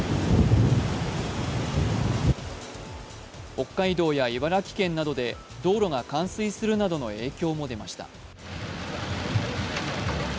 北海道や茨城県などで道路が冠水するなどの影響も出ました。